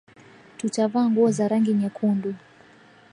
Tutavaa nguo za rangi nyekundu